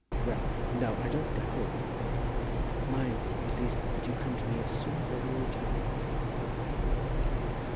"Well, no; I don't think I could." "Mind, at least, that you come to me as soon as ever you return."